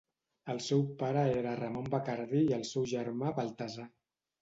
El seu pare era Ramon Bacardí i el seu germà Baltasar.